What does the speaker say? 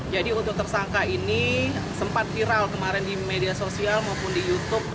jadi untuk tersangka ini sempat viral kemarin di media sosial maupun di youtube